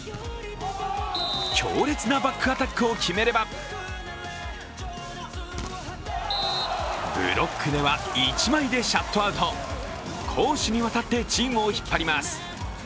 強烈なバックアタックを決めればブロックでは１枚でシャットアウト攻守にわたってチームを引っ張ります。